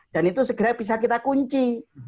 dan itu segera bisa kita kunci